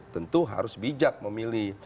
tentu harus bijak memilih